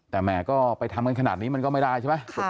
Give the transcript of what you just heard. แต่แหมก็ไปทำกันขนาดนี้มันก็ไม่ได้ใช่ไหม